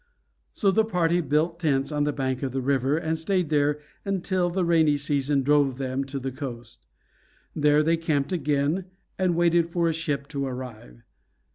So the party built tents on the bank of the river, and stayed there until the rainy season drove them to the coast. There they camped again, and waited for a ship to arrive.